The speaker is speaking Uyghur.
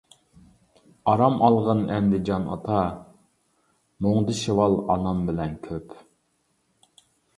ئارام ئالغىن ئەمدى جان ئاتا، مۇڭدىشىۋال ئانام بىلەن كۆپ.